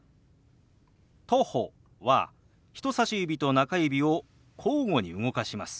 「徒歩」は人さし指と中指を交互に動かします。